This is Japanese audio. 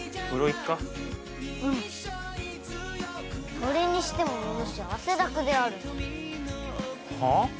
それにしてもおぬし汗だくであるな。はあ？